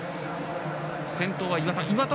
先頭は岩田。